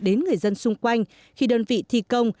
đến người dân xung quanh khi đơn vị thi công